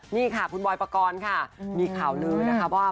นี่ค่ะคุณบอยปกรณ์ค่ะมีข่าวลื้อนะคะว่า